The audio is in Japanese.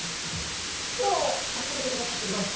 今日集めてくださっております